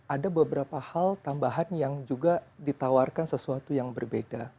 ada beberapa hal tambahan yang juga ditawarkan sesuatu yang berbeda